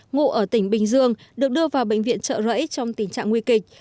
ngụ ở tỉnh bình dương được đưa vào bệnh viện trợ rẫy trong tình trạng nguy kịch